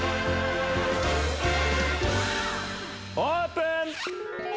オープン！